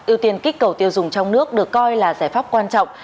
ưu tiên kích cầu tiêu dùng trong nước được coi là giải pháp quan trọng